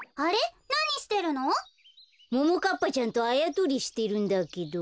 ももかっぱちゃんとあやとりしてるんだけど。